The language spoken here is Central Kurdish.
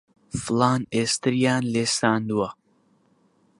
فڵان ئێستریان لێ ساندووە